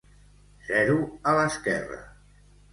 Zero a l'esquerra.